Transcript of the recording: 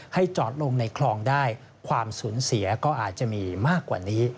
ให้จอดลงในคลองได้ความสูญเสียก็อาจจะมีมากกว่านี้